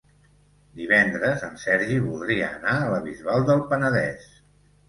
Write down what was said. Divendres en Sergi voldria anar a la Bisbal del Penedès.